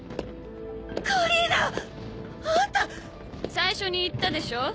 最初に言ったでしょ？